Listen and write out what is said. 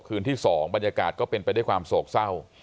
คืนที่๒บรรยากาศก็เป็นไปด้วยความโศกเศร้า